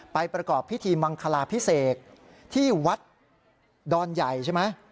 ประกอบพิธีมังคลาพิเศษที่วัดดอนใหญ่ใช่ไหม